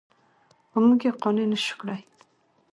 خو موږ یې قانع نه شوو کړی.